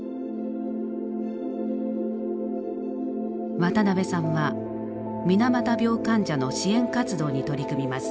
渡辺さんは水俣病患者の支援活動に取り組みます。